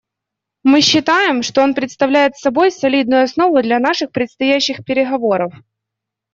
Мы считаем, что он представляет собой солидную основу для наших предстоящих переговоров.